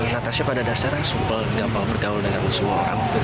natasha pada dasarnya super gampang bergaul dengan semua orang